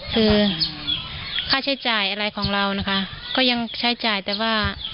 คือค่าใช้จ่ายอะไรของเรานะคะก็ยังใช้จ่ายแต่ว่า